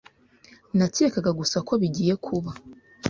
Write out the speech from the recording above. Nakekaga gusa ko bigiye kuba.